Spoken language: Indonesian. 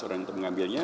orang yang mengambilnya